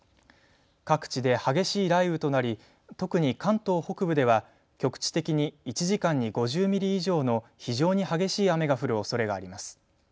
各地で激しい雷雨となり特に関東北部では局地的に１時間に５０ミリ以上の非常に激しい雨が降るおそれがあります。